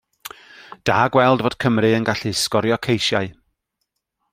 Da gweld fod Cymru yn gallu sgorio ceisiau.